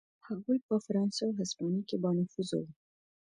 هغوی په فرانسې او هسپانیې کې بانفوذه و.